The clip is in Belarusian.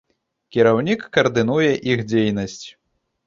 Кіраўнік каардынуе іх дзейнасць.